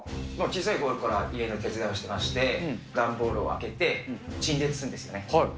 小さいころから家の手伝いをしてまして、段ボールを開けて、陳列するんですよね。